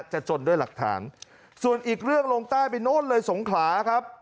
จนด้วยหลักฐานส่วนอีกเรื่องลงใต้ไปโน่นเลยสงขลาครับ